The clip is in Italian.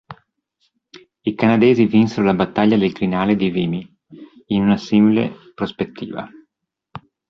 I canadesi vinsero la battaglia del crinale di Vimy in una simile prospettiva.